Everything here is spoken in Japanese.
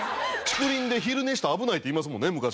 竹林で昼寝したら危ないっていいますもんね昔から。